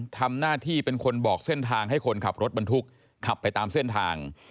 ทำหน้าที่เป็นคนบอกเส้นทางให้คนขับรถบรรทุกขับไปตามเส้นทาง